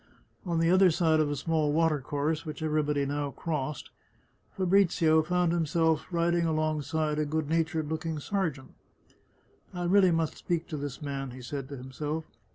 On the other side of a small water course, which everybody now crossed, Fabrizio found himself riding alongside a good natured looking sergeant. " I really must speak to this man," he said to himself.